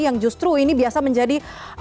yang justru ini biasa menjadi